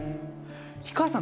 氷川さん